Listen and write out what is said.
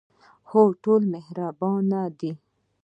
هو، ټول مهربانه دي